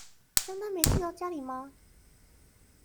帳單沒寄到家裡嗎？